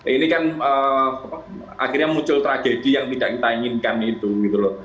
ini kan akhirnya muncul tragedi yang tidak kita inginkan itu gitu loh